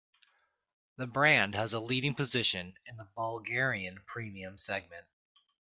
The brand has a leading position in the Bulgarian premium segment.